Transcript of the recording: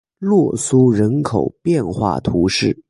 洛苏人口变化图示